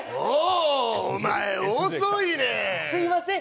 お前、遅いねん。